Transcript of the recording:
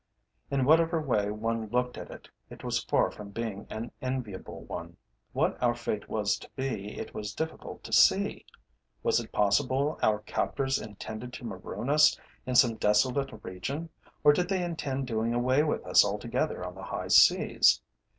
In whatever way one looked at it, it was far from being an enviable one. What our fate was to be it was difficult to see. Was it possible our captors intended to maroon us in some desolate region, or did they intend doing away with us altogether on the High Seas?